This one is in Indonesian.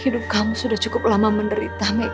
hidup kamu sudah cukup lama menderita meka